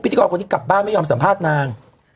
กรคนนี้กลับบ้านไม่ยอมสัมภาษณ์นาง